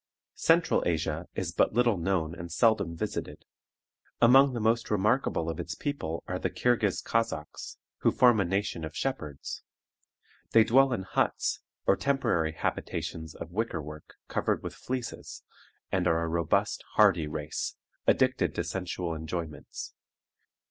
Central Asia is but little known and seldom visited. Among the most remarkable of its people are the Kirghiz Kazaks, who form a nation of shepherds. They dwell in huts, or temporary habitations of wicker work covered with fleeces, and are a robust, hardy race, addicted to sensual enjoyments.